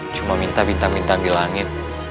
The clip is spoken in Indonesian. cuma minta minta ambil langit